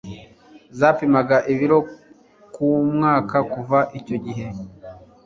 zapimaga ibiro ku mwaka kuva icyo gihe